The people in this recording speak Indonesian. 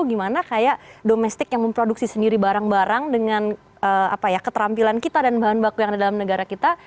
gimana kayak domestik yang memproduksi sendiri barang barang dengan keterampilan kita dan bahan baku yang ada dalam negara kita